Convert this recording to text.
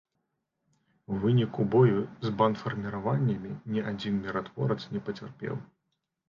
У выніку бою з бандфарміраваннямі ні адзін міратворац не пацярпеў.